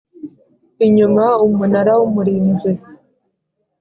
Inyuma umunara w umurinzi